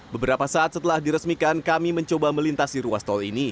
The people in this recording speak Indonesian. beberapa saat setelah diresmikan kami mencoba melintasi ruas tol ini